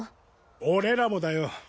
俺らもだよ。